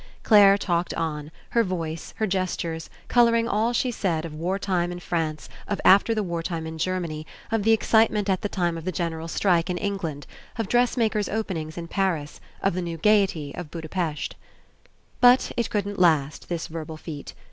Clare talked on, her voice, her gestures, colouring all she said of wartime In France, of after the wartlme In Germany, of the excite ment at the time of the general strike in Eng 64 ENCOUNTER land, of dressmaker's openings in Paris, of the new gaiety of Budapest. But It couldn't last, this verbal feat.